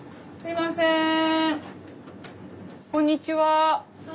こんにちは。